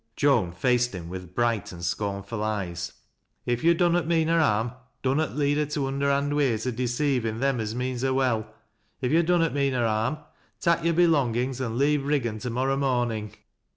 Joan faced him with bright and scornful eyes. " H yo' dunnot mean her harm, dunnot lead her to underhand ways o' deceivin' them as means her well, li yo' dunnot mean her harm, tak' yore belongings and leave Riggan to morrow morning."